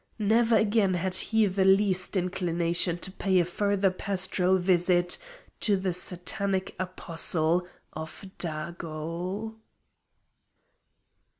Never again had he the least inclination to pay a further pastoral visit to the Satanic Apostle of Dago.